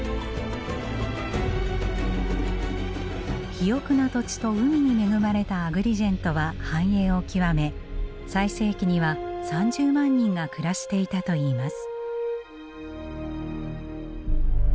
肥沃な土地と海に恵まれたアグリジェントは繁栄を極め最盛期には３０万人が暮らしていたといいます。